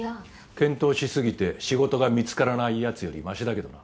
検討しすぎて仕事が見つからない奴よりマシだけどな。